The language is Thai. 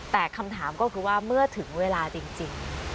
แต่คำถามก็คือว่าเมื่อถึงเวลาจริง